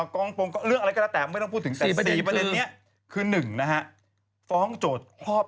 ขณะตอนอยู่ในสารนั้นไม่ได้พูดคุยกับครูปรีชาเลย